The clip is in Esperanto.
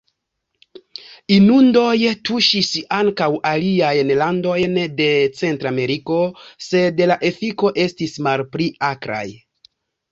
Inundoj tuŝis ankaŭ aliajn landojn de Centrameriko, sed la efiko estis malpli akraj.